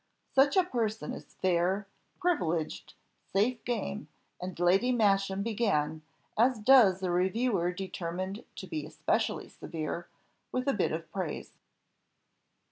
Such a person is fair, privileged, safe game, and Lady Masham began, as does a reviewer determined to be especially severe, with a bit of praise.